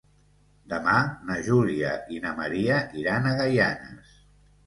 Demà na Júlia i na Maria iran a Gaianes.